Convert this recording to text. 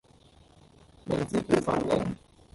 明知故犯呢？